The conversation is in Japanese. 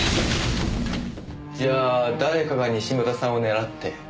じゃあ誰かが西牟田さんを狙って。